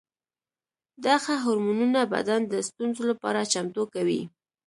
دغه هورمونونه بدن د ستونزو لپاره چمتو کوي.